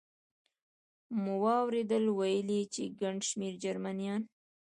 مو واورېدل، ویل یې چې ګڼ شمېر جرمنیان.